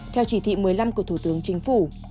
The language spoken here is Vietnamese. theo chỉ thị một mươi năm của thủ tướng chính phủ